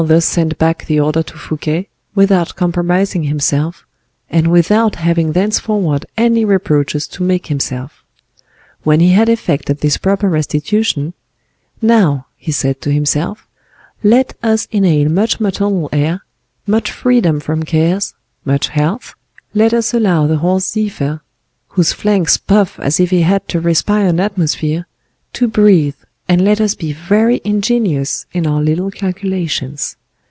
D'Artagnan thus sent back the order to Fouquet, without compromising himself, and without having thenceforward any reproaches to make himself. When he had effected this proper restitution, "Now," he said to himself, "let us inhale much maternal air, much freedom from cares, much health, let us allow the horse Zephyr, whose flanks puff as if he had to respire an atmosphere, to breathe, and let us be very ingenious in our little calculations.